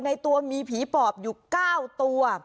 ในตัวมีผีปอบอยู่๙ตัว